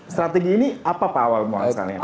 strategi ini apa pak awal mau kasih lihat